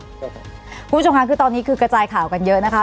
คุณผู้ชมค่ะคือตอนนี้คือกระจายข่าวกันเยอะนะคะ